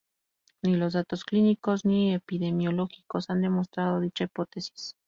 Ni los datos clínicos ni epidemiológicos han demostrado dicha hipótesis.